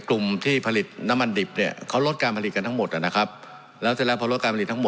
กลุ่มที่ผลิตน้ำมันดิบเนี่ยเขารดการผลิตกันทั้งหมดนะครับ